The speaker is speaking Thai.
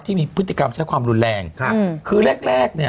ที่มีพฤติกรรมใช้ความรุนแรงคือแรก